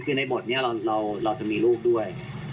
คือในบทนี้เราจะมีลูกด้วย